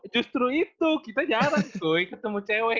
justru itu kita jarang gue ketemu cewek